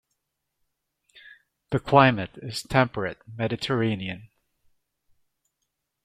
The climate is temperate Mediterranean.